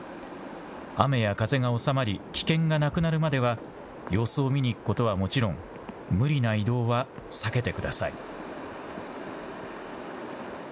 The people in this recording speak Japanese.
雨や風が収まり危険がなくなるまでは様子を見に行くことはもちろん無理な移動は避けてください。